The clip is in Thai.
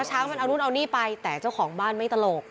ช้างมันเอานู่นเอานี่ไปแต่เจ้าของบ้านไม่ตลก